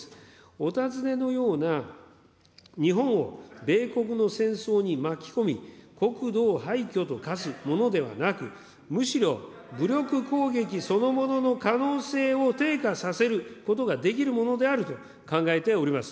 お尋ねのような、日本を米国の戦争に巻き込み、国土を廃虚と化すものではなく、むしろ、武力攻撃そのものの可能性を低下させることができるものであると考えております。